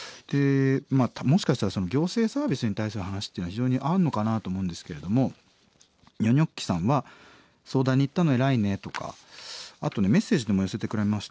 もしかしたら行政サービスに対する話っていうのは非常にあるのかなと思うんですけれどもにょにょっきさんは「相談に行ったの偉いね」とかあとねメッセージでも寄せてくれました。